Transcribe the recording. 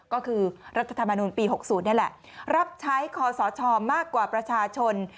ก็คือรัฐธรรมนูลปี๖๐นี่แหละรับใช้คอสชมากกว่าประชาชน